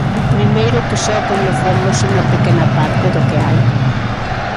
Primeiro, que só coñecemos unha pequena parte do que hai.